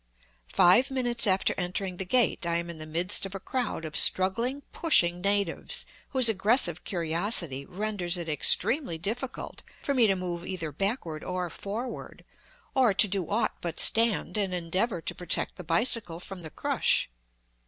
Five minutes after entering the gate I am in the midst of a crowd of struggling, pushing natives, whose aggressive curiosity renders it extremely difficult for me to move either backward or forward, or to do aught but stand and endeavor to protect the bicycle from the crush.